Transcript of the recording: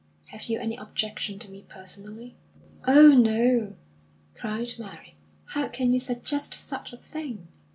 Have you any objection to me personally?" "Oh, no!" cried Mary. "How can you suggest such a thing?